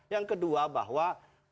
yang kedua bahwa